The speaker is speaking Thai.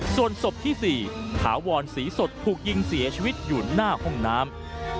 ส่วนศพที่๔ถาวรศรีสดถูกยิงเสียชีวิตอยู่หน้าห้องน้ำ